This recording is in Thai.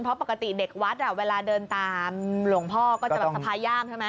เพราะปกติเด็กวัดเวลาเดินตามหลวงพ่อก็จะแบบสะพาย่ามใช่ไหม